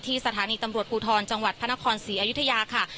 สถานีตำรวจภูทรจังหวัดพระนครศรีอยุธยาค่ะ